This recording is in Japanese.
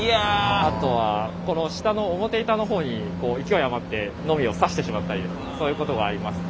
あとはこの下の表板の方に勢い余ってノミを刺してしまったりそういうことがありますね。